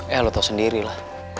eh lo tau sendiri lah